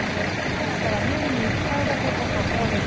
ですから年に１回だけここ掃除するの。